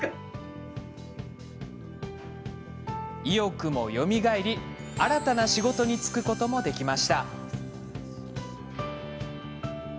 意欲もよみがえり、新たな仕事に就くこともできました。